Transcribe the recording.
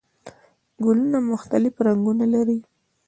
ګلونه مختلف رنګونه لري